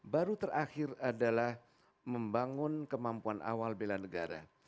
baru terakhir adalah membangun kemampuan awal bela negara